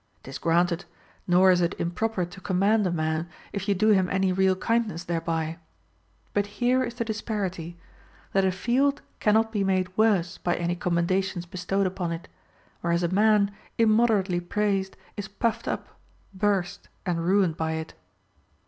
'Tis granted: nor is it improper to commend a man, if you do him any real kindness thereby. But here is the disparity : that a field cannot be made worse by any com mendations bestowed upon it, whereas a man immoderately praised is puffed up, burst, and ruined by it.